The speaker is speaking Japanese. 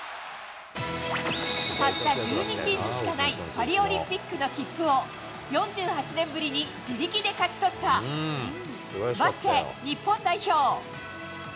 たった１２チームしかないパリオリンピックの切符を、４８年ぶりに自力で勝ち取ったバスケ日本代表。